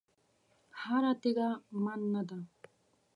هره تېږه من نه ده.